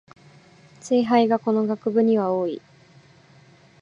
ツイ廃がこの学部には多い